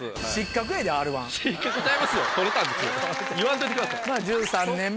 言わんといてください。